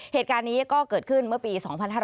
เหตุการณ์นี้ก็เกิดขึ้นเมื่อปี๒๕๕๙